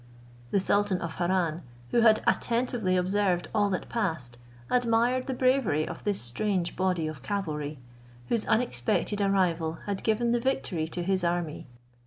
The sultan of Harran, who had attentively observed all that passed, admired the bravery of this strange body of cavalry, whose unexpected arrival had given the victory to his army.